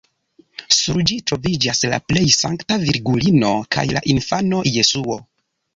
Sur ĝi troviĝas la plej Sankta Virgulino kaj la infano Jesuo.